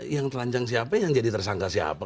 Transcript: yang telanjang siapa yang jadi tersangka siapa